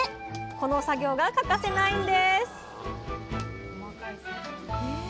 この作業が欠かせないんです